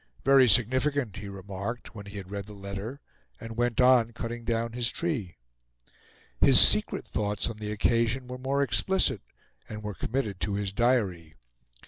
"Very significant," he remarked, when he had read the letter, and went on cutting down his tree. His secret thoughts on the occasion were more explicit, and were committed to his diary.